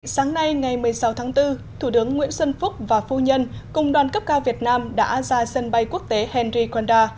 sáng nay ngày một mươi sáu tháng bốn thủ tướng nguyễn xuân phúc và phu nhân cùng đoàn cấp cao việt nam đã ra sân bay quốc tế henry konda